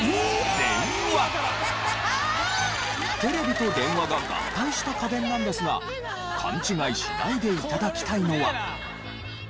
テレビと電話が合体した家電なんですが勘違いしないで頂きたいのは。